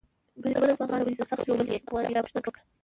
بریدمنه زما غاړه ونیسه، سخت ژوبل يې؟ مانیرا پوښتنه وکړه.